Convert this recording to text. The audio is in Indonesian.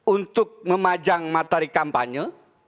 untuk memajang materi kampanye